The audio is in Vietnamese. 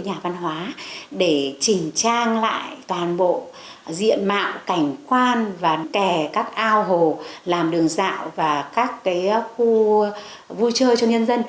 nhà văn hóa để chỉnh trang lại toàn bộ diện mạo cảnh quan và kẻ các ao hồ làm đường dạo và các khu vui chơi cho nhân dân